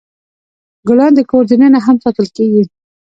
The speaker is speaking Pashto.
ګلان د کور دننه هم ساتل کیږي.